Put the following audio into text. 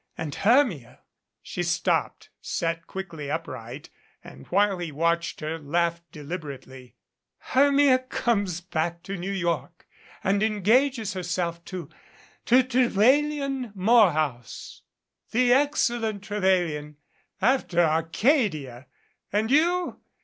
And Hermia " she stopped, sat quickly upright, and while he watched her, laughed deliberately. "Hermia comes back to New York 314 THE SEATS OF THE MIGHTY and engages herself to to Trevelyan Morehouse ! The excellent Trevelyan after Arcadia! And you?"